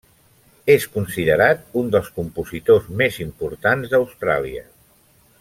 És considerat un dels compositors més importants d'Austràlia.